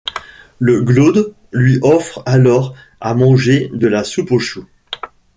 Le Glaude lui offre alors à manger de la soupe aux choux.